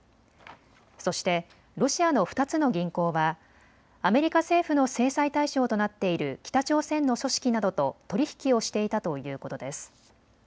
そしてロシアの２つの銀行はアメリカ政府の制裁対象となっている北朝鮮の組織などと取り引きをしていたということです。